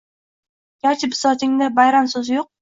Garchi bisotingda \”bayram\” suzi yuq